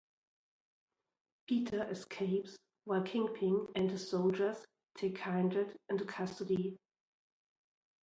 Peter escapes while Kingpin and his soldiers take Kindred into custody.